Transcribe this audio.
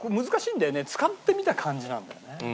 使ってみた感じなんだよね。